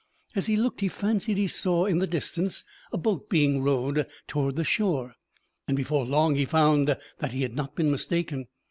As he looked he fancied he saw in the distance a boat being rowed towards the shore; and before long he found that he had not been mistaken.